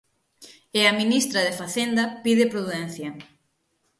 E a ministra de Facenda pide prudencia.